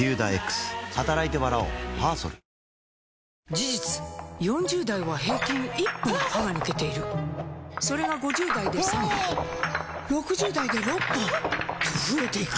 事実４０代は平均１本歯が抜けているそれが５０代で３本６０代で６本と増えていく